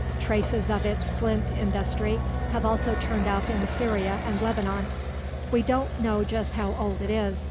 Traces of its flint industry have also turned up in Syria and Lebanon. We don't know just how old it is.